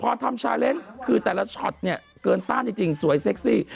พอทำชาเลนส์คือแต่ละช็อตเนี่ยเกินต้านจริงสวยเซ็กซี่